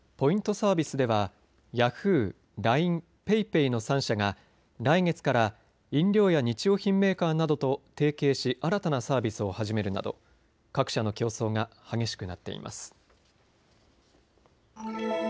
サービスではヤフー、ＬＩＮＥ、ＰａｙＰａｙの３社が来月から飲料や日用品メーカーなどと提携し新たなサービスを始めるなど各社の競争が激しくなっています。